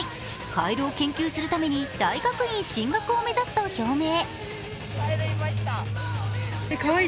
カエルを研究するために大学院進学を目指すと表明。